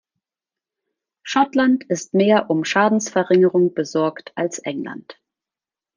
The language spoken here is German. Schottland ist mehr um Schadensverringerung besorgt als England.